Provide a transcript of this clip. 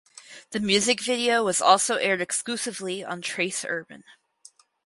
The music video was also aired exclusively on Trace Urban.